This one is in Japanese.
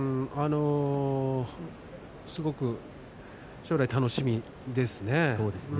すごく、将来楽しみですね。